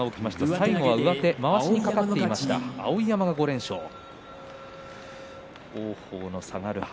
最後は上手まわしかかっていました碧山の連勝です。